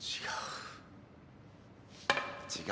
違う。